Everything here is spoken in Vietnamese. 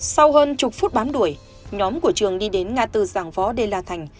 sau hơn chục phút bám đuổi nhóm của trường đi đến ngã tư giảng võ đê la thành